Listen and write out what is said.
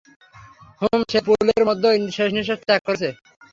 হুমম সে পুলের মধ্যেই শেষ নিঃশ্বাস ত্যাগ করেছে।